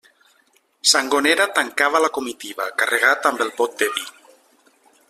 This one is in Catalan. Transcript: Sangonera tancava la comitiva, carregat amb el bot de vi.